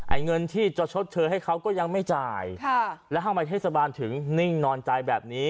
เงินที่จะชดเชยให้เขาก็ยังไม่จ่ายค่ะแล้วทำไมเทศบาลถึงนิ่งนอนใจแบบนี้